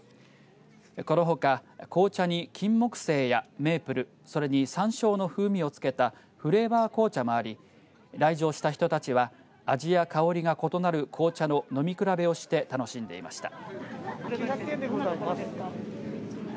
このほか紅茶にきんもくせいやメープルそれにさんしょうの風味をつけたフレーバー紅茶もあり来場した人たちは味や香りが異なる紅茶を飲み比べをして楽しんでいました。